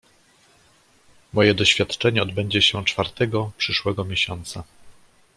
"Moje doświadczenie odbędzie się czwartego przyszłego miesiąca."